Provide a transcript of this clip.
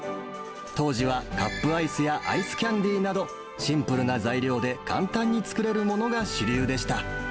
当時はカップアイスやアイスキャンディーなど、シンプルな材料で簡単に作れるものが主流でした。